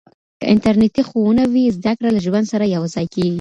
که انټرنېټي ښوونه وي، زده کړه له ژوند سره یوځای کېږي.